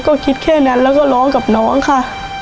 ก็คิดแค่นั้นแล้วก็ร้องกับน้องค่ะ